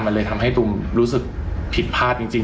มันเลยทำให้ตุมรู้สึกผิดพลาดจริง